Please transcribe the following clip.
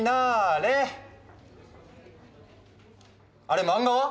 あれ漫画は？